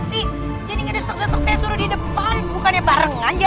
sampai kamu mau mengakui perbuatan kamu